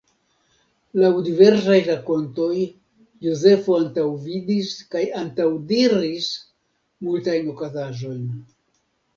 Laŭ diversajn rakontoj Jozefo antaŭvidis kaj antaŭdiris multajn okazaĵojn.